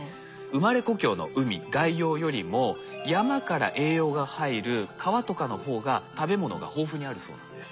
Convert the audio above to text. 生まれ故郷の海外洋よりも山から栄養が入る川とかの方が食べ物が豊富にあるそうなんです。